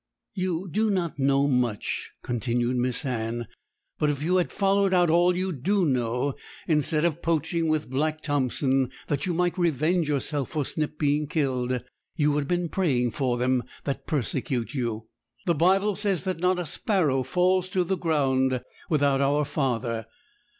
'You do not know much,' continued Miss Anne, 'but if you had followed out all you do know, instead of poaching with Black Thompson that you might revenge yourself for Snip being killed, you would have been praying for them that persecute you. The Bible says that not a sparrow falls to the ground without our Father.